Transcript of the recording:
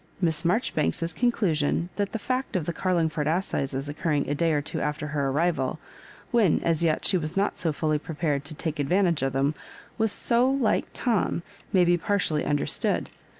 Miss Maijoribanks's conclu sion, that the fact of the Carlingford assizes oc curring a day or two after her arrival, when as yet she was not fully prepared to take advantage of them, was so like Tom, may be partially under stood.